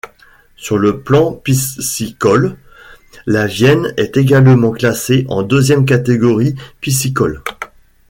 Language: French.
Sur le plan piscicole, la Vienne est également classée en deuxième catégorie piscicole.